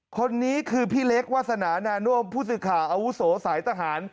คนนี้คือพี่เล็กวาสนานาน่วมผู้สื่อข่าวอาวุโสสายทหาร